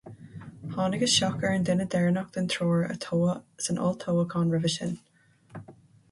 Tháinig isteach ar an duine deireanach den triúr a toghadh san olltoghchán roimhe sin.